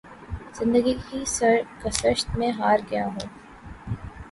زندگی کی سرگزشت میں ہار گیا ہوں۔